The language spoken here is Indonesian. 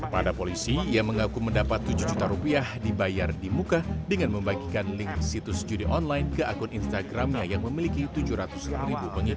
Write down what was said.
pada polisi ia mengaku mendapat tujuh juta rupiah dibayar di muka dengan membagikan link situs judi online ke akun instagramnya yang memiliki tujuh ratus ribu pengikut